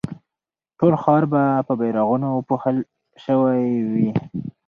ټول ښار به په بيرغونو پوښل شوی وي.